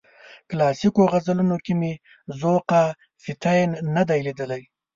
کلاسیکو غزلونو کې مې ذوقافیتین نه دی لیدلی.